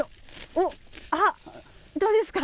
おっあっどうですか？